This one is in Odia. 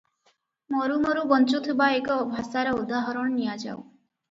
ମରୁ ମରୁ ବଞ୍ଚୁଥିବା ଏକ ଭାଷାର ଉଦାହରଣ ନିଆଯାଉ ।